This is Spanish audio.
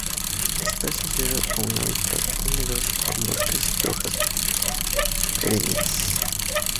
Está asociado a un hábitat húmedos con bosques de hojas perennes.